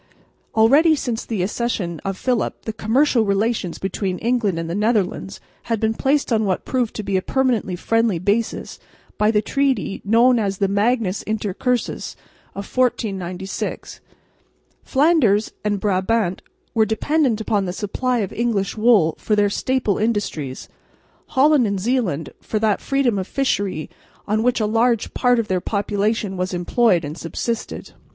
Already since the accession of Philip the commercial relations between England and the Netherlands had been placed on what proved to be a permanently friendly basis by the treaty known as the Magnus Intercursus of 1496. Flanders and Brabant were dependent upon the supply of English wool for their staple industries, Holland and Zeeland for that freedom of fishery on which a large part of their population was employed and subsisted.